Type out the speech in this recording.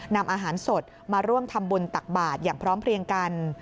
นำอาหารสดมาร่วมทำบุญตักบาทอย่างพร้อมเพลียงกัน